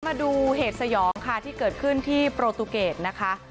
มาดูเหตุสยองค่ะที่เกิดขึ้นที่โปรตูเกตนะคะ